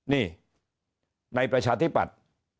นี่ในประชาธิปัตย์